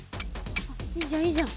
いいじゃんいいじゃん。